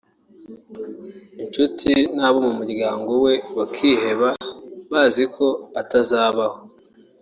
inshuti n’abo mu muryango we bakiheba baziko atazabaho